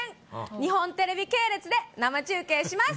日本テレビ系列で生中継します。